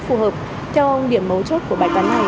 phù hợp cho điểm mấu chốt của bài toán này